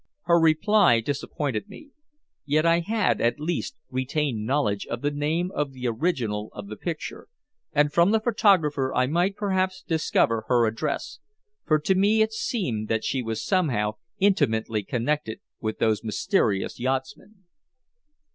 Her reply disappointed me. Yet I had, at least, retained knowledge of the name of the original of the picture, and from the photographer I might perhaps discover her address, for to me it seemed that she was somehow intimately connected with those mysterious yachtsmen.